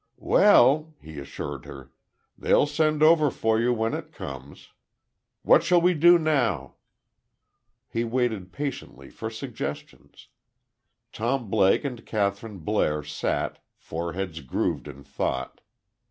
"Well," he assured her, "They'll send over for you when it comes.... What shall we do now?" He waited patiently for suggestions. Tom Blake and Kathryn Blair sat, foreheads grooved in thought.